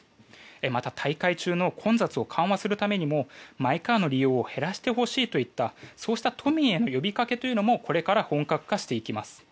また、大会中の混雑を緩和するためにもマイカーの利用を減らしてほしいそうした都民への呼びかけもこれから本格化していきます。